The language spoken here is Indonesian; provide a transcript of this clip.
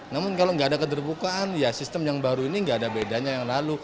namun kalau nggak ada keterbukaan ya sistem yang baru ini nggak ada bedanya yang lalu